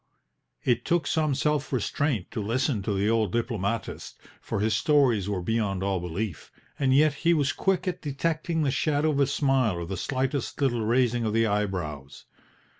It took some self restraint to listen to the old diplomatist, for his stories were beyond all belief, and yet he was quick at detecting the shadow of a smile or the slightest little raising of the eyebrows.